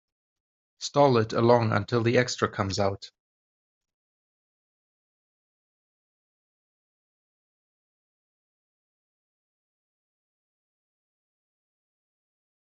Stall it along until the extra comes out.